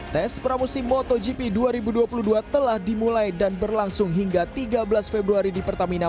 tes pramusim motogp dua ribu dua puluh dua telah dimulai dan berlangsung hingga tiga belas februari di pertamina